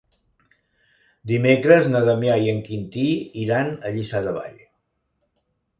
Dimecres na Damià i en Quintí iran a Lliçà de Vall.